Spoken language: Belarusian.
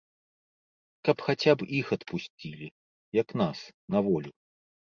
Каб хаця б іх адпусцілі, як нас, на волю.